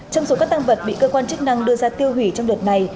trong số các tăng vật bị cơ quan chức năng đưa ra tiêu hủy trong đợt này